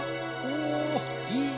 おおいい！